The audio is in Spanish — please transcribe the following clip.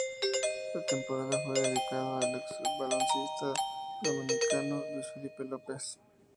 La temporada fue dedicada al ex-baloncestista dominicano Luis Felipe López.